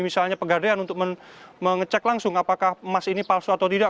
misalnya pegadaian untuk mengecek langsung apakah emas ini palsu atau tidak